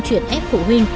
chuyển ép phụ huynh